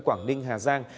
quảng ninh hà giang